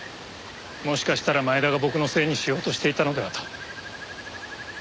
もしかしたら前田が僕のせいにしようとしていたのではと。